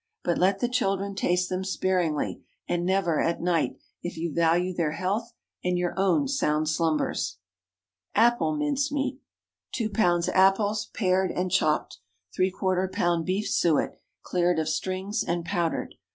But let the children taste them sparingly, and never at night, if you value their health and your own sound slumbers. APPLE MINCE MEAT. 2 lbs. apples—pared and chopped. ¾ lb. beef suet—cleared of strings and powdered.